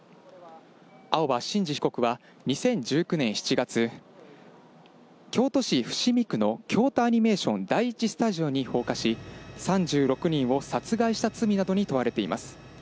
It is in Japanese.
青葉真司被告は２０１９年７月、京都市伏見区の京都アニメーション第１スタジオに放火し、３６人を殺害した罪などに問われています。